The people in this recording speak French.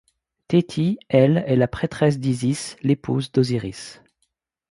Théti, elle, est la prêtresse d'Isis, l'épouse d'Osiris.